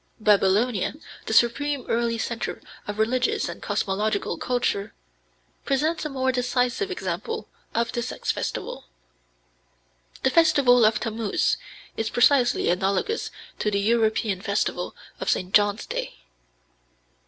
Babylonia, the supreme early centre of religious and cosmological culture, presents a more decisive example of the sex festival. The festival of Tammuz is precisely analogous to the European festival of St. John's Day.